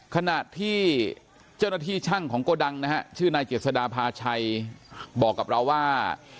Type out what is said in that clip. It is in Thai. ขณะที่เจ้าหน้าที่ช่างของโกดังนะฮะชื่อนายเจษดาภาชัยบอกกับเราว่า